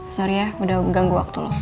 sorry ya udah ganggu waktu lu